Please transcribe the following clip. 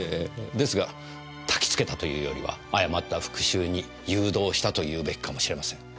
ですがたきつけたというよりは誤った復讐に誘導したと言うべきかもしれません。